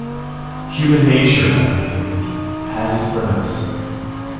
"Human nature," I continued, "has its limits.